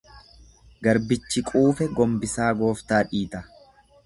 Garbichi quufe gonbisaa gooftaa dhiita.